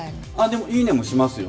でも、いいねもしますよ。